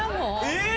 えっ！？